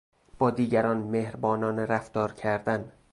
با دیگران مهربانانه رفتار کردن